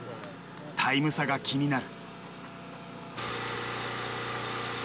タイム差が気になる。